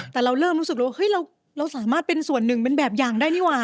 แต่เราเริ่มรู้สึกแล้วว่าเฮ้ยเราสามารถเป็นส่วนหนึ่งเป็นแบบอย่างได้นี่หว่า